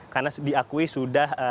karena diakui sudah